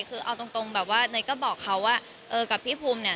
คือเอาตรงแบบว่าเนยก็บอกเขาว่าเออกับพี่ภูมิเนี่ย